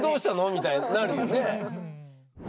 みたいになるもんね。